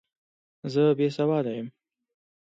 زه بې سواده یم!